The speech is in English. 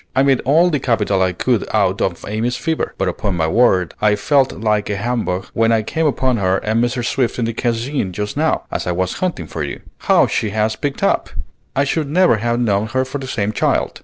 I made all the capital I could out of Amy's fever; but upon my word, I felt like a humbug when I came upon her and Mrs. Swift in the Cascine just now, as I was hunting for you. How she has picked up! I should never have known her for the same child."